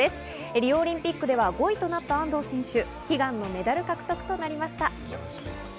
リオオリンピックでは５位となった安藤選手、悲願のメダル獲得となりました。